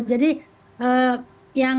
jadi itu bisa disaring